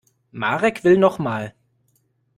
Marek will noch mal.